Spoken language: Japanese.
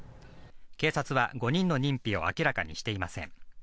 警察は、５人の認否を明らかにしていません。